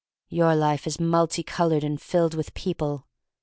Your life is multi colored and filled with people.